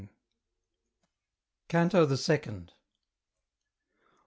CANTO THE SECOND.